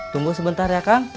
tunggu sebentar ya kang